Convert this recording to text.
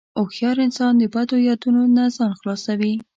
هوښیار انسان د بدو یادونو نه ځان خلاصوي.